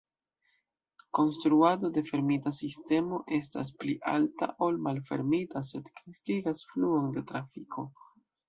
Konstruado de fermita sistemo estas pli alta ol malfermita sed kreskigas fluon de trafiko.